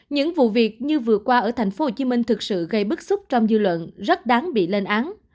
những vụ việc như vừa qua ở tp hcm thực sự gây bức xúc trong dư luận rất đáng bị lên án